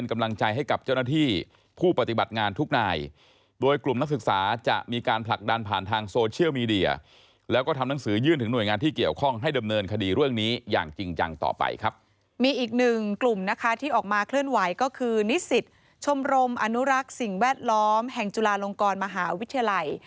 มีอีกหนึ่งกลุ่มนะคะที่ออกมาเคลื่อนไหวก็คือนิสิตชมรมอนุรักษ์สิ่งแวดล้อมแห่งจุฬาลงกรมหาวิทยาลัย